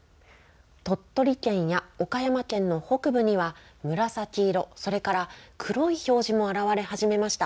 鳥取県や岡山県の北部には紫色、それから黒い表示もあらわれ始めました。